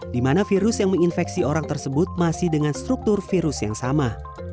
di mana virus yang menginfeksi orang tersebut masih dengan struktur virus yang sama